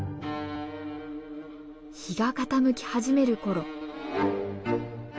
日が傾き始める頃。